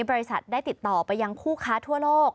บริษัทได้ติดต่อไปยังคู่ค้าทั่วโลก